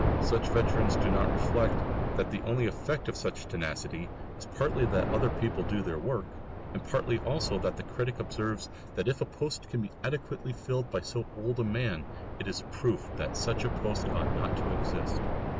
Such veterans do not reflect that the only effect of such tenacity is partly that other people do their work, and partly also that the critic observes that if a post can be adequately filled by so old a man it is a proof that such a post ought not to exist.